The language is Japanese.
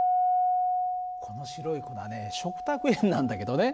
この白い粉ね食卓塩なんだけどね。